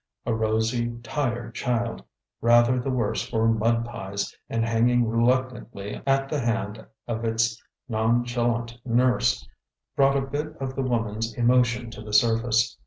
A rosy, tired child, rather the worse for mud pies, and hanging reluctantly at the hand of its nonchalant nurse, brought a bit of the woman's emotion to the surface.